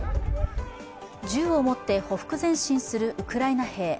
銃を持ってほふく前進するウクライナ兵。